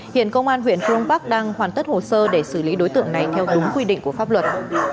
hiện công an huyện cron park đang hoàn tất hồ sơ để xử lý đối tượng này theo đúng quy định của pháp luật